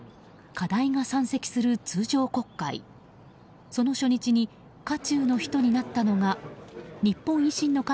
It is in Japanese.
課題が山積する通常国会。